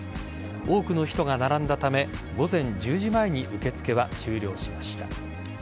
多くの人が並んだため午前１０時前に受け付けは終了しました。